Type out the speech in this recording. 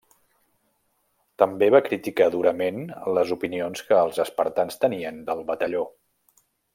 També va criticar durament les opinions que els espartans tenien del Batalló.